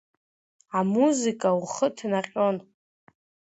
Амузыка ухы ҭнаҟьон.